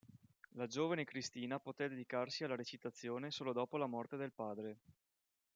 La giovane Kristina poté dedicarsi alla recitazione solo dopo la morte del padre.